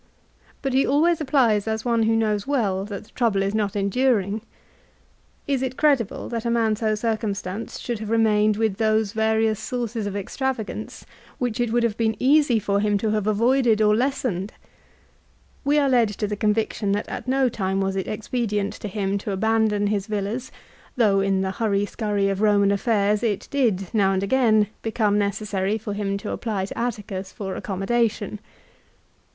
But he always applies as one who knows well that the trouble is not enduring. Is it credible that a man so circumstanced should have remained with those various sources of extravagance which it would have been easy for 154 LIFE OF CICERO. him to have avoided or lessened ? We are led to the con viction that at no time was it expedient to him to abandon his villas, though in the hurry scurry of Roman affairs it did, now and again, become necessary for him to apply to Atticus for accommodation.